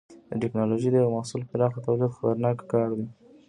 د ټېکنالوجۍ د یوه محصول پراخه تولید خطرناک کار دی.